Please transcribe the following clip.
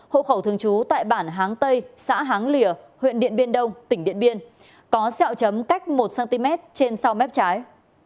hộ khẩu thường trú tại bản háng tây xã háng lìa huyện điện biên đông tỉnh điện biên có xẹo chấm cách một cm trên sau mép trái